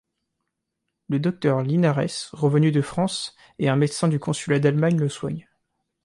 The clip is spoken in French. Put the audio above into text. Le docteur Linarès, revenu de France et un médecin du consulat d'Allemagne le soignent.